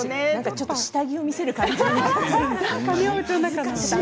ちょっと下着を見せる感じ。